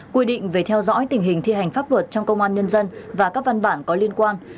quy định về theo dõi tình hình thi hành pháp luật trong công an nhân dân và các văn bản có liên quan